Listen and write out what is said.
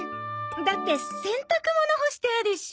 だって洗濯物干してあるし。